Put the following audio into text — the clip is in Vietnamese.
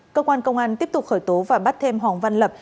cơ quan công an tiếp tục khởi tố và bắt thêm hoàng văn lập